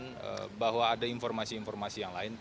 dan bahwa ada informasi informasi yang lain